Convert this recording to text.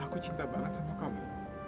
aku cinta banget sama kamu